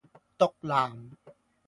毒男